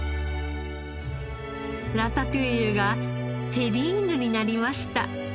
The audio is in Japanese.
ラタトゥイユがテリーヌになりました。